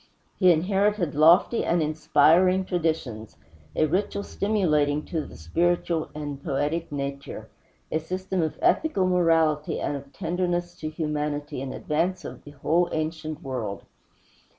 He inherited lofty and inspiring traditions, a ritual stimulating to the spiritual and poetic nature, a system of ethical morality and of tenderness to humanity in advance of the whole ancient world.